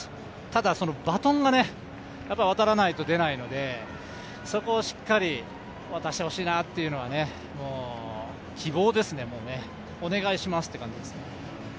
ただ、バトンが渡らないと出ないので、そこをしっかり渡してほしいなというのは、希望ですね、お願いしますって感じ。